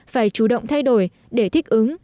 phải chủ động thay đổi để thích ứng